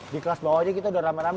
di kelas bawahnya kita udah rame rame